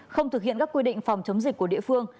không thực hiện các quy định phòng chống dịch của địa phương